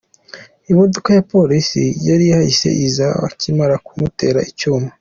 Imodoka ya Polisi yari ihahise, iza bakimara kumutera icyuma.